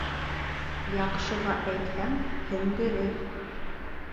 Яҡшыға әйтһәң, һеңдерер